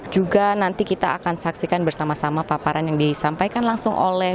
juga nanti kita akan saksikan bersama sama paparan yang disampaikan langsung oleh